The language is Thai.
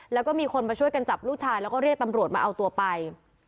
แล้วก็มีคนมาช่วยกันจับลูกชายแล้วก็เรียกตำรวจมาเอาตัวไป